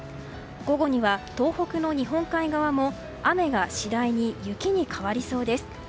午後には東北の日本海側も雨が次第に雪に変わりそうです。